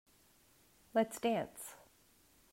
Let's dance.